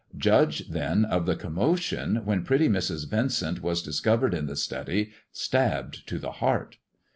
Judge, then, of the commotion, when pretty Mrs. Vincent was discovered in the study, stabbed to the heart.